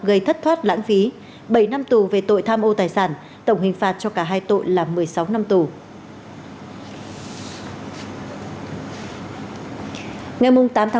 gây thất thoát lãng phí bảy năm tù về tội tham ô tài sản tổng hình phạt cho cả hai tội là một mươi sáu năm tù